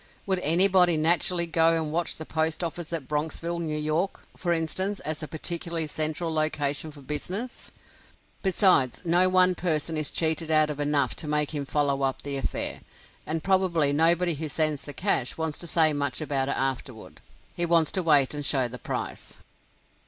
Would anybody naturally go and watch the Post Office at Bronxville, New York, for instance, as a particularly central location for business? Besides, no one person is cheated out of enough to make him follow up the affair, and probably nobody who sends the cash wants to say much about it afterward. He wants to wait and show the prize!